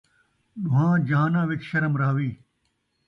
ݙون٘ہاں جہاناں وچ شرم رہوی